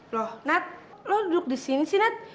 loh nat lo duduk di sini sih nak